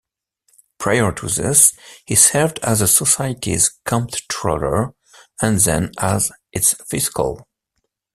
Prior to this, he served as the society's comptroller and then as its fiscal.